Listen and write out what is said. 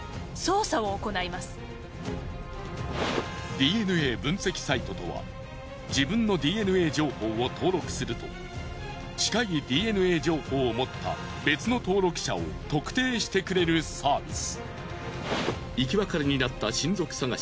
ＤＮＡ分析サイトとは自分のＤＮＡ情報を登録すると近いＤＮＡ情報を持った別の登録者を特定してくれるサービス。